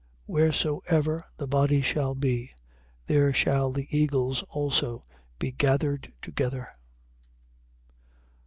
24:28. Wheresoever the body shall be, there shall the eagles also be gathered together.